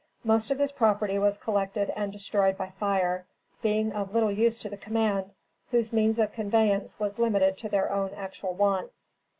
Most of this property was collected and destroyed by fire, being of little use to the command, whose means of conveyance was limited to their own actual wants.